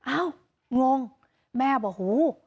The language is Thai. อ้าวงงแม่บอกหู